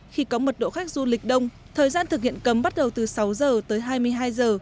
khi có mật độ khách du lịch đông thời gian thực hiện cấm bắt đầu từ sáu giờ tới hai mươi hai giờ